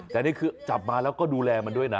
แต่นี่คือจับมาแล้วก็ดูแลมันด้วยนะ